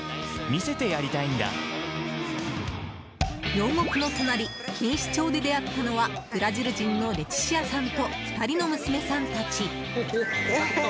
両国の隣錦糸町で出会ったのはブラジル人のレチシアさんと２人の娘さんたち。